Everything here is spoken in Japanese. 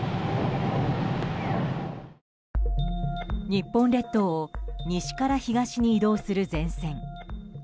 日本列島を西から東に移動する前線。